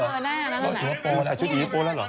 แบบปลงตัวปลงมาใส่ชุดอีกปลงแล้วหรอ